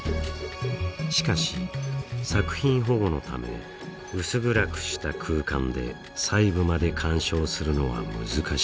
しかし、作品保護のため薄暗くした空間で細部まで鑑賞するのは難しい。